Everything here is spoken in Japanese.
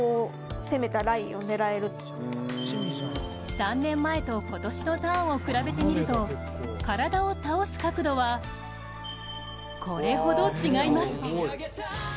３年前と今年のターンを比べてみると、体を倒す角度はこれほど違います。